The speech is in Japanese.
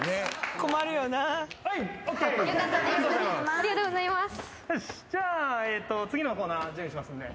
ありがとうございます。